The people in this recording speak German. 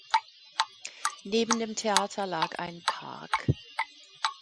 Neben dem Theater lag ein Park.